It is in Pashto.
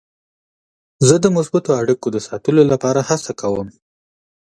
زه د مثبتو اړیکو د ساتلو لپاره هڅه کوم.